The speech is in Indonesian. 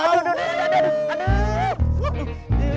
aduh aduh aduh